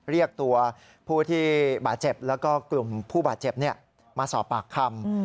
เรียกตัวผู้ที่บาดเจ็บแล้วก็กลุ่มผู้บาดเจ็บมาสอบปากคำ